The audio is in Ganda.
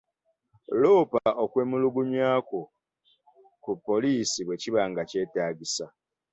Loopa okwemulugunya kwo ku poliisi bwe kiba nga kyetagisa.